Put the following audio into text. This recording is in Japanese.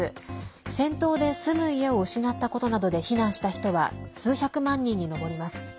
戦闘で住む家を失ったことなどで避難した人は数百万人に上ります。